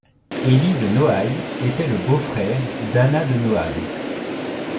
Hélie de Noailles était le beau-frère d'Anna de Noailles.